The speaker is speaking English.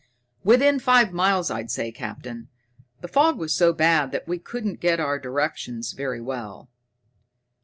"Within five miles, I'd say, Captain. The fog was so bad that we couldn't get our directions very well."